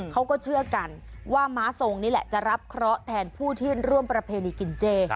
เขาก็เชื่อกันว่าม้าทรงนี่แหละจะรับเคราะห์แทนผู้ที่ร่วมประเพณีกินเจ